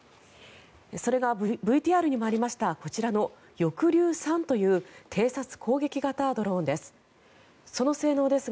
それがＶＴＲにもありましたこちらの翼竜３という偵察・攻撃型ドローンです。